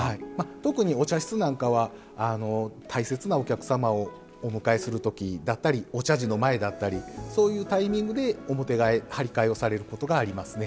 特にお茶室なんかは大切なお客様をお迎えする時だったりお茶事の前だったりそういうタイミングで表替え張り替えをされることがありますね。